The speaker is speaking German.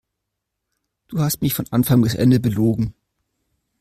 Du hast mich von Anfang bis Ende belogen.